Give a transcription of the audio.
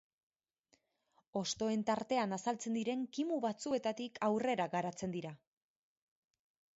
Hostoen tartean azaltzen diren kimu batzuetatik aurrera garatzen dira.